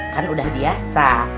kan udah biasa